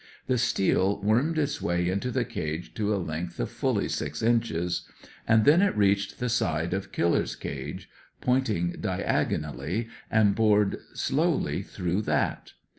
The steel wormed its way into the cage to a length of fully six inches, and then it reached the side of Killer's cage, pointing diagonally, and bored slowly through that.